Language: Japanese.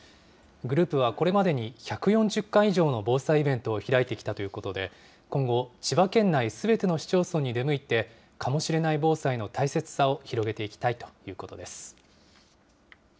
グループはこれまでに１４０回以上の防災イベントを開いてきたということで、今後、千葉県内すべての市町村に出向いて、かもしれない防災の大切さを広げていきたいということです。